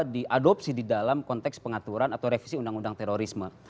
diadopsi di dalam konteks pengaturan atau revisi undang undang terorisme